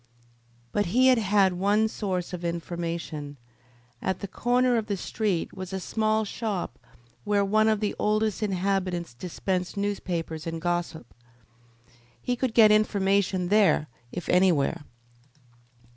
But he had one source of information. At the corner of the street was a small shop where one of the oldest inhabitants dispensed newspapers and gossip. He could get information there if anywhere.